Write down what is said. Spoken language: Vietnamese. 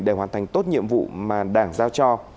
để hoàn thành tốt nhiệm vụ mà đảng giao cho